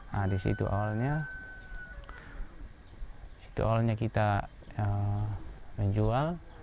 nah disitu awalnya kita menjual